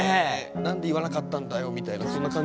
何で言わなかったんだよみたいなそんな感じ？